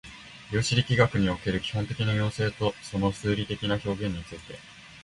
量子力学における基本的な要請とその数理的な表現について